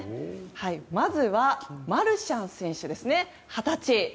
まずはマルシャン選手ですね二十歳。